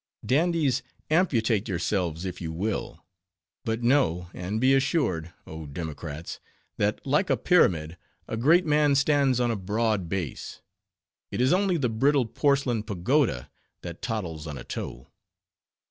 Dandies! amputate yourselves, if you will; but know, and be assured, oh, democrats, that, like a pyramid, a great man stands on a broad base. It is only the brittle porcelain pagoda, that tottles on a toe.